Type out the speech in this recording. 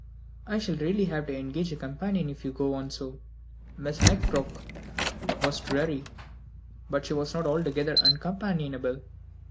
I shall really have to engage a companion if you go on so. Miss McCroke was dreary, but she was not altogether uncompanionable.